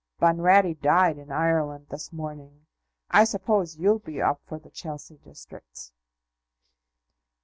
"Bunratty died in Ireland this morning. I suppose you'll be up for the Chelsea districts?"